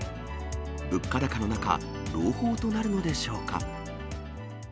物価高の中、朗報となるのでしょうか。